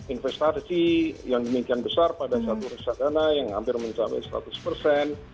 investasi yang demikian besar pada satu reksadana yang hampir mencapai seratus persen